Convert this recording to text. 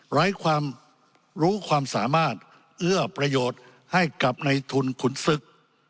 ไร้ความรู้ความสามารถเอื้อประโยชน์ให้กับในทุนขุนศึก